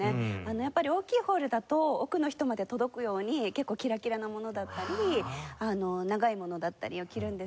やっぱり大きいホールだと奥の人まで届くように結構キラキラなものだったり長いものだったりを着るんですけど。